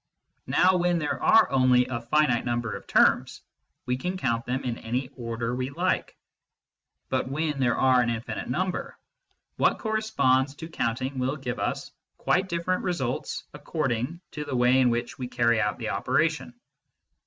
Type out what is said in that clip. Now when there are only a finite number of terms, we can count them in any order we like ; but when there are an infinite number, what corresponds to counting will give us quite different results according to the way in which we carry out the operation.